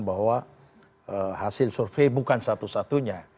bahwa hasil survei bukan satu satunya